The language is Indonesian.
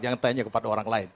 jangan tanya kepada orang lain